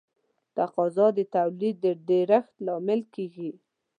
تقاضا د تولید د ډېرښت لامل کیږي.